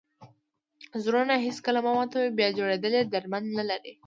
زړونه هېڅکله مه ماتوئ! بیا جوړېدل ئې درمل نه لري.